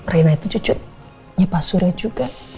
rina itu cucunya pak surya juga